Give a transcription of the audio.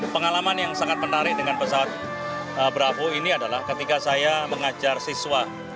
pengalaman yang sangat menarik dengan pesawat bravo ini adalah ketika saya mengajar siswa